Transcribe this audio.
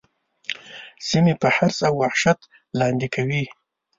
سیمې په حرص او وحشت لاندي کوي.